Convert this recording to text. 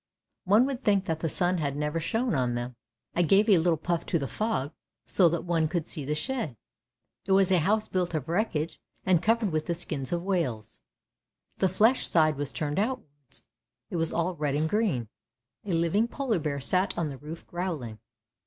One would think that the sun had never shone on them. I gave a little puff to the fog so that one could see the shed. It was a house built of wreckage and covered with the skins of whales ; the flesh side was turned outwards; it was all red and green; a living polar bear sat on the roof growling.